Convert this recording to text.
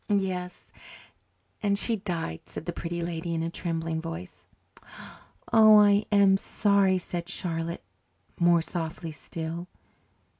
"Yes, and she died," said the Pretty Lady in a trembling voice. "Oh, I am sorry," said Charlotte, more softly still.